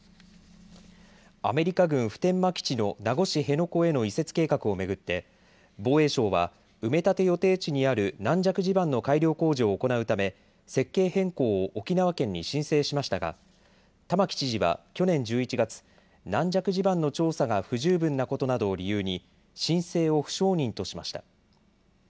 アメリカ軍普天間基地の名護市辺野古への移設計画を巡って防衛省は埋め立て予定地にある軟弱地盤の改良工事を行うため設計変更を沖縄県に申請しましたが玉城知事は去年１１月、軟弱地盤の調査が不十分なことなどを理由に申請を不承認としました。